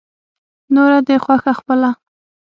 نوره دې خوښه خپله.